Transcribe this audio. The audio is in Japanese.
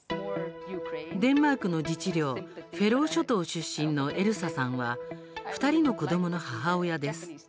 デンマークの自治領フェロー諸島出身のエルサさんは２人の子どもの母親です。